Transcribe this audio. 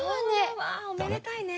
うわおめでたいね。